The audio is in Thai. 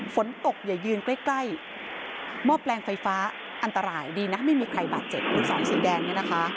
ฝนตกอย่ายืนใกล้ใกล้มอบแปลงไฟฟ้าอันตรายดีนะไม่มีใครบาทเจ็ดสอนสีแดงเนี้ยนะคะ